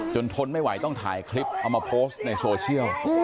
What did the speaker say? ทนไม่ไหวต้องถ่ายคลิปเอามาโพสต์ในโซเชียล